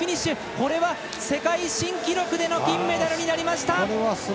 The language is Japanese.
これは世界新記録での金メダルになりました！